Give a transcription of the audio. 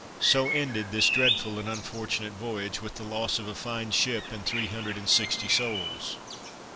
So ended this dreadful and unfortunate voyage, with the loss of a fine ship and three hundred and sixty souls.